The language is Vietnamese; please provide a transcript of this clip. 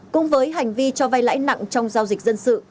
cùng với hành vi cho vay lãi nặng trong giao dịch dân sự